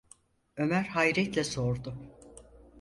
Ömer hayretle sordu: